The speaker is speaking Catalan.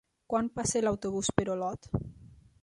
Quan passa l'autobús per Olot?